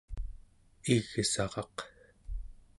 igsaraq